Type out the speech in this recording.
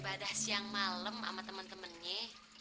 ibadah siang malam sama temen temennya